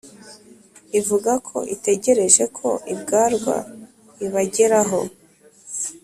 ivuga ko itegereje ko ibwarwa ibageraho